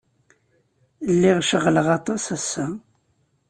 Lliɣ ceɣleɣ aṭas ass-a.